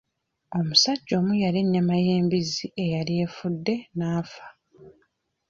Omusajja omu yalya ennyama y'embizzi eyali efudde n'afa.